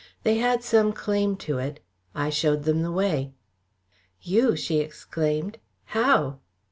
They had some claim to it I showed them the way." "You?" she exclaimed. "How?"